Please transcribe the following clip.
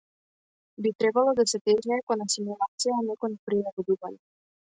Би требало да се тежнее кон асимилација, а не кон прилагодување.